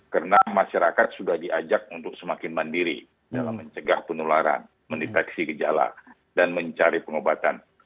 karena masyarakat sudah diajak untuk semakin mandiri dalam mencegah penularan meniteksi gejala dan mencari pengobatan